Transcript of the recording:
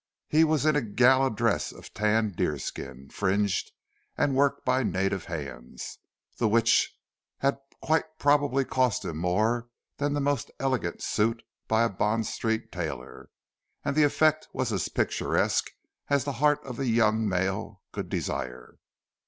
He was in a gala dress of tanned deerskin, fringed and worked by native hands, the which had quite probably cost him more than the most elegant suit by a Bond Street tailor, and the effect was as picturesque as the heart of a young male could desire.